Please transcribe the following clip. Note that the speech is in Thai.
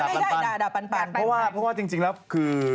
ไม่ด่าปันปันเพราะว่าจริงแล้วคือ